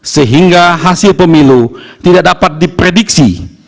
sehingga hasil pemilu tidak dapat diprediksi